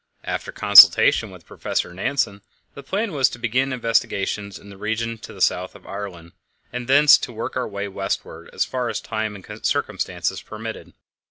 After consultation with Professor Nansen, the plan was to begin investigations in the region to the south of Ireland, and thence to work our way westward as far as time and circumstances permitted.